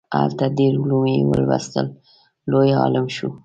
هلته ډیر علوم یې ولوستل لوی عالم شو.